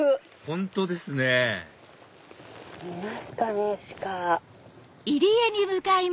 本当ですねいますかねシカ。